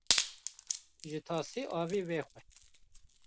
Ji tasê avê vexwe